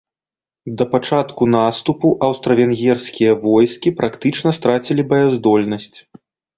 Да пачатку наступу аўстра-венгерскія войскі практычна страцілі баяздольнасць.